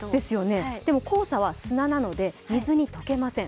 でも、黄砂は砂なので水に溶けません。